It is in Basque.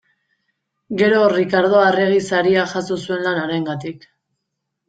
Gero Rikardo Arregi Saria jaso zuen lan harengatik.